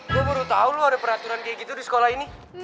gue baru tahu loh ada peraturan kayak gitu di sekolah ini